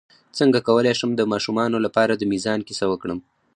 څنګه کولی شم د ماشومانو لپاره د میزان کیسه وکړم